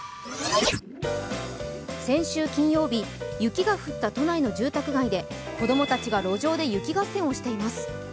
先週金曜日、雪が降った都内の住宅街で子供たちが路上で雪合戦をしています。